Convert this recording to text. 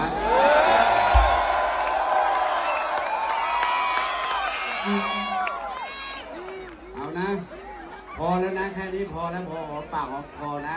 เอานะพอแล้วนะแค่นี้พอแล้วพอหอมปากหอมคอนะ